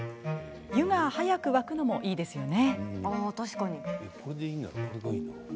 湯が早く沸くのもいいですよね。